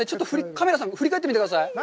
カメラさん、振り返ってください。